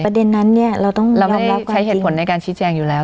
ประเด็นนั้นเราต้องรับแล้วกันจริงเราไม่ได้ใช้เหตุผลในการชี้แจงอยู่แล้ว